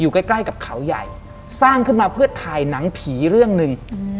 ใกล้ใกล้กับเขาใหญ่สร้างขึ้นมาเพื่อถ่ายหนังผีเรื่องหนึ่ง